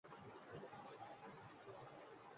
جو تم کہتے ہو سب کچھ ہو چکا ایسے نہیں ہوتا